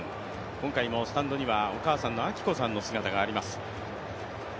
今回もスタンドにはお母さんの明子さんの姿があります。